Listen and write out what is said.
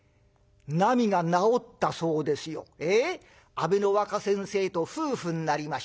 阿部の若先生と夫婦になりました。